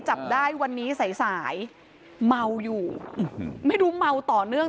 จับได้วันนี้สายสายเมาอยู่ไม่รู้เมาต่อเนื่อง